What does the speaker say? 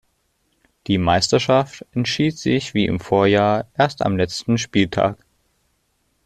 Die Meisterschaft entschied sich wie im Vorjahr erst am letzten Spieltag.